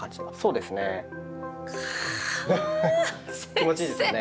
気持ちいいですよね？